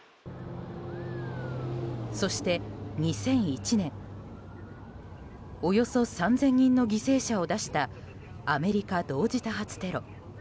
そして、２００１年およそ３０００人の犠牲者を出したアメリカ同時多発テロ。